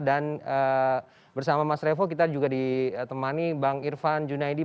dan bersama mas evo kita juga ditemani bang irvan junaidi